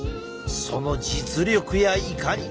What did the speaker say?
その実力やいかに？